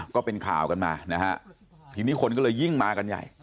ก็เป็นข่าวกันมานะฮะทีนี้คนก็เลยยิ่งมากันใหญ่